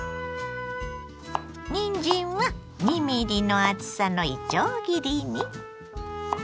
にんじんは２ｍｍの厚さのいちょう切りに。